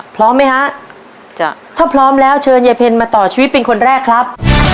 พร้อมไหมฮะจ้ะถ้าพร้อมแล้วเชิญยายเพ็ญมาต่อชีวิตเป็นคนแรกครับ